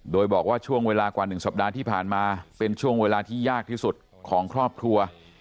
โดยบอกว่าช่วงเวลากว่า๑สัปดาห์ที่ผ่านมาเป็นช่วงเวลาที่ยากที่สุดของครอบครัว